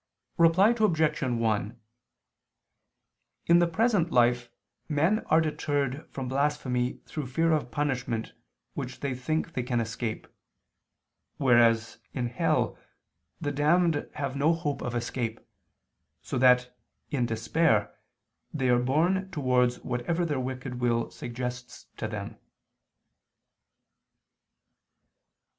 Reply Obj. 1: In the present life men are deterred from blasphemy through fear of punishment which they think they can escape: whereas, in hell, the damned have no hope of escape, so that, in despair, they are borne towards whatever their wicked will suggests to them.